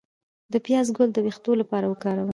د پیاز ګل د ویښتو لپاره وکاروئ